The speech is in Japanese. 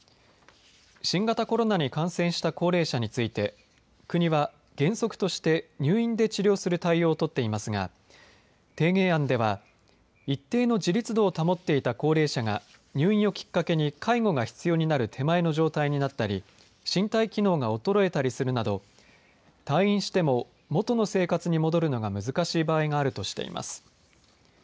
新型コロナに感染した高齢者について国は原則として入院で治療する対応をとっていますが提言案では一定の自立度を保っていた高齢者が入院をきっかけに介護が必要になる手前の状態になったり身体機能が衰えたりするなど退院しても元の生活に戻るのが難しい場合があるとしています。